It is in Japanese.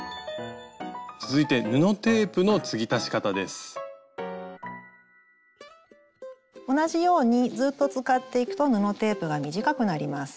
続いて同じようにずっと使っていくと布テープが短くなります。